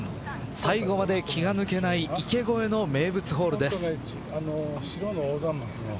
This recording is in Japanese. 最後まで気が抜けない池越えの名物ホールです。